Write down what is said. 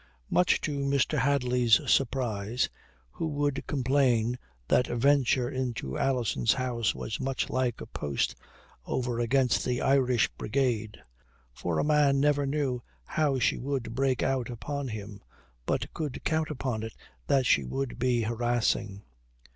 Much to Mr. Hadley's surprise, who would complain that venture into Alison's house was much like a post over against the Irish Brigade; for a man never knew how she would break out upon him, but could count upon it that she would be harassing.